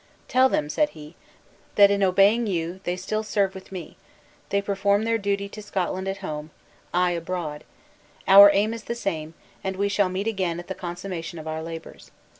"Tell them," said he, "that in obeying you they still serve with me, they perform their duty to Scotland at home I abroad; our aim is the same; and we shall meet again at the consummation of our labors."